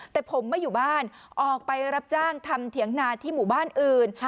แต่ผมไม่อยู่บ้านออกไปรับจ้างทำเถียงนาที่หมู่บ้านอื่น